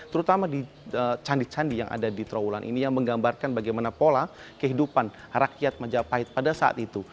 terutama di candi candi yang ada di trawulan ini yang menggambarkan bagaimana pola kehidupan rakyat majapahit pada saat itu